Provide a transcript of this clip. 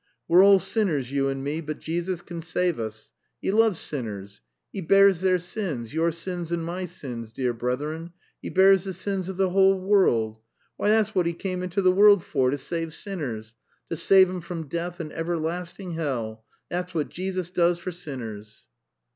"We're all sinners, you and me, but Jesus can save us. 'E loves sinners. 'E bears their sins; your sins an' my sins, dear brethren; 'e bears the sins of the 'ole world. Why, that's wot 'e came inter the world for to save sinners. Ter save 'em from death an' everlasting 'ell! That's wot Jesus does for sinners."